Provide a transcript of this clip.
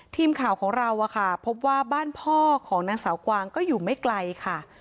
ทีมข่าวของเราพบว่าบ้านพ่อของนางสาวกวางก็อยู่ไม่ไกลค่ะ